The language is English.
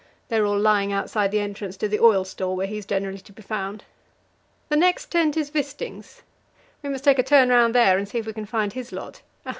They are all lying outside the entrance to the oil store, where he is generally to be found. The next tent is Wisting's. We must take a turn round there and see if we can find his lot.